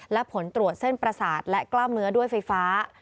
และผลตรวจเส้นประสาทและกล้ามเนื้อด้วยไฟฟ้า